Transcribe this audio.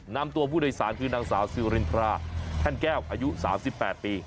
นำตัวผู้โดยสารคือนางสาวซิรินทราแท่นแก้วอายุ๓๘ปี